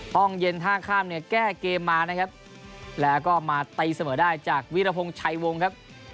ห้องเย็นท่าข้ามเนี่ยแก้เกมมานะครับแล้วก็มาตีเสมอได้จากวิรพงศ์ชัยวงครับ